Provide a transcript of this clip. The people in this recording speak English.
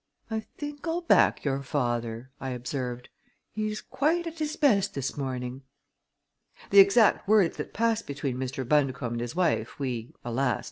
"I think I'll back your father," I observed. "He is quite at his best this morning." The exact words that passed between Mr. Bundercombe and his wife we, alas!